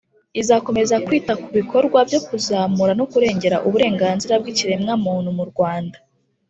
izakomeza kwita ku bikorwa byo kuzamura no kurengera uburenganzira bw'ikiremwamuntu mu rwanda